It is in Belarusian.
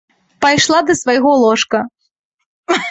Пайшла да свайго ложка.